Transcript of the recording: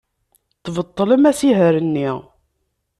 Tbeṭlem asihaṛ-nni.